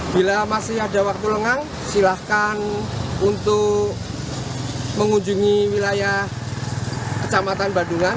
bila masih ada waktu lengang silahkan untuk mengunjungi wilayah kecamatan badungan